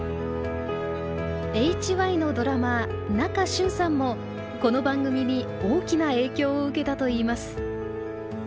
ＨＹのドラマー名嘉俊さんもこの番組に大きな影響を受けたといいます。